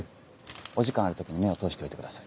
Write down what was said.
お時間ある時に目を通しておいてください。